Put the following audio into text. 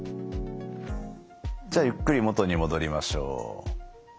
じゃあゆっくり元に戻りましょう。